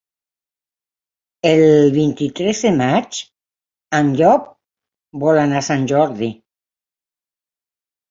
El vint-i-tres de maig en Llop vol anar a Sant Jordi.